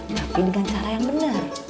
tapi dengan cara yang benar